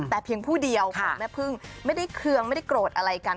แต่เพียงผู้เดียวของแม่พึ่งไม่ได้เคืองไม่ได้โกรธอะไรกัน